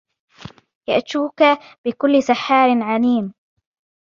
يأتوك بكل سحار عليم